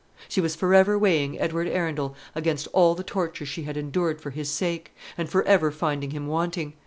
She was for ever weighing Edward Arundel against all the tortures she had endured for his sake, and for ever finding him wanting.